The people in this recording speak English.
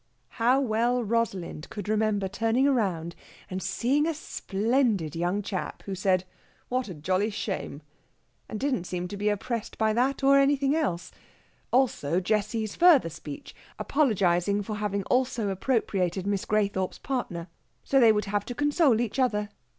How well Rosalind could remember turning round and seeing a splendid young chap who said, "What a jolly shame!" and didn't seem to be oppressed by that or anything else; also Jessie's further speech, apologizing for having also appropriated Miss Graythorpe's partner. So they would have to console each other.